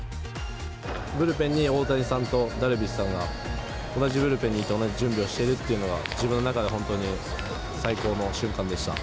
ブルペンに大谷さんとダルビッシュさんが、同じブルペンにいて同じ準備をしているというのが、自分の中で本当に最高の瞬間でした。